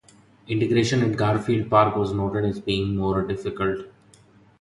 Integration at Garfield Park was noted as being more difficult.